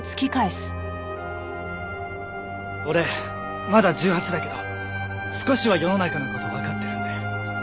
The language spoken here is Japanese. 俺まだ１８だけど少しは世の中の事わかってるんで。